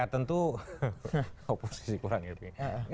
ya tentu oposisi kurang happy